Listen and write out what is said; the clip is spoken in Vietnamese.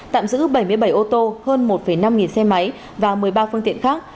tạm giữ bảy mươi bảy ô tô hơn một năm nghìn xe máy và một mươi ba phương tiện khác